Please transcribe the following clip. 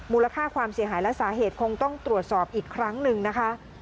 มูลค่าความเสียหายและสาเหตุคงต้องตรวจสอบอีกครั้งหนึ่งนะคะ